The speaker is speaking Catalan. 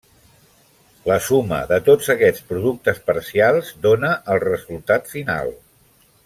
La suma de tots aquests productes parcials dóna el resultat final.